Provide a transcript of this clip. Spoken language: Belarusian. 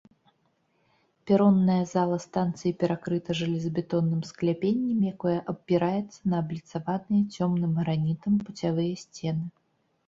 Перонная зала станцыі перакрыта жалезабетонным скляпеннем, якое апіраецца на абліцаваныя цёмным гранітам пуцявыя сцены.